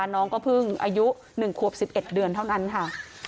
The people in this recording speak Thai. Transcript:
น้องก็เพิ่งอายุ๑ขวบ๑๑เดือนเท่านั้นค่ะ